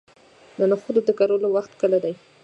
د نخودو د کرلو وخت کله دی؟